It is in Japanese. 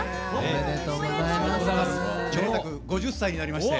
めでたく５０歳になりまして。